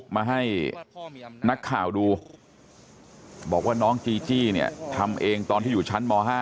มาให้นักข่าวดูบอกว่าน้องจีจี้เนี่ยทำเองตอนที่อยู่ชั้นม๕